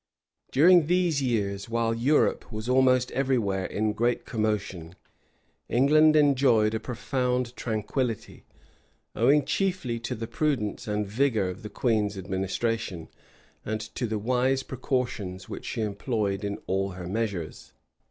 During these years, while Europe was almost every where in great commotion, England enjoyed a profound tranquillity; owing chiefly to the prudence and vigor of the queen's administration, and to the wise precautions which she employed in all her measures.